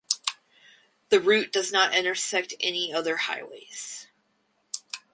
The route does not intersect any other highways.